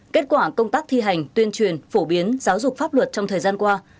kết quả công tác thi hành tuyên truyền phổ biến giáo dục pháp luật trong thời gian qua